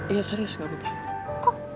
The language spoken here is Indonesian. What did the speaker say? iya serius gak papa